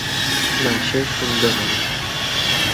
না, সে শুনবে না।